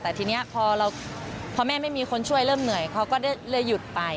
แต่ทีนี้พอแม่ไม่มีคนช่วยเริ่มเหนื่อยเขาก็เลยหยุดไป